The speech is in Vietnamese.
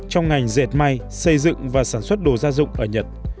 trong ngành dệt may xây dựng và sản xuất đồ gia dụng ở nhật